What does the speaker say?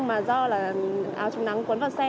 mà do áo trông nắng cuốn vào xe